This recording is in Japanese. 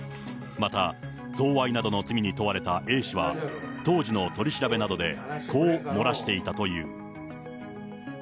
また、贈賄などの罪に問われたＡ氏は、当時の取り調べなどでこう漏らしていたという。